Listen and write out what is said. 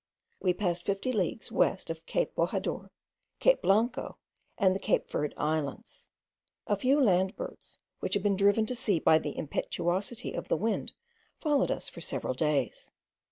We passed fifty leagues west of Cape Bojador, Cape Blanco, and the Cape Verd islands. A few land birds, which had been driven to sea by the impetuosity of the wind followed us for several days.